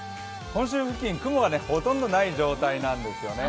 本州付近、雲がほとんどない状態なんですよね。